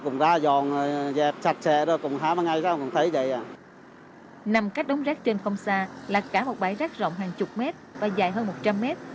nằm cách đống rác trên không xa là cả một bãi rác rộng hàng chục mét và dài hơn một trăm linh mét